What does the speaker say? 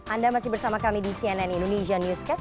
anda masih bersama kami di cnn indonesia newscast